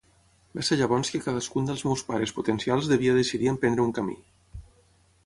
Va ser llavors que cadascun dels meus pares potencials devia decidir emprendre un camí.